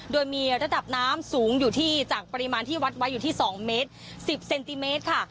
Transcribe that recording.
โดยมีระดับน้ำสูงอยู่ที่จากปริมาณที่วัดไว้อยู่ที่๒เมตร๑๐เซนติเมตรค่ะ